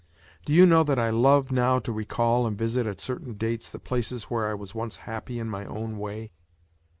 Do you know that I love now to recall and visit at certain dates the places where I was once happy in my own way?